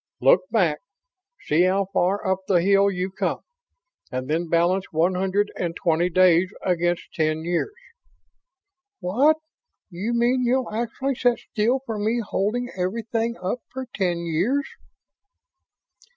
Look back, see how far up the hill you've come, and then balance one hundred and twenty days against ten years." "What? You mean you'll actually sit still for me holding everything up for ten years?"